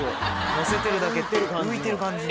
のせてるだけ浮いてる感じの。